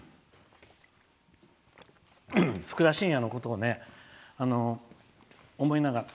ふくだしんやのことを思いながら。